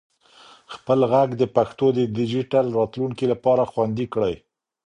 خپل ږغ د پښتو د ډیجیټل راتلونکي لپاره خوندي کړئ.